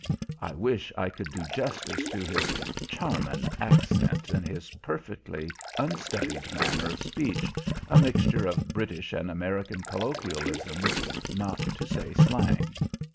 I wish I could do justice to his "charmin'" accent and his perfectly unstudied manner of speech, a mixture of British and American colloquialisms, not to say slang.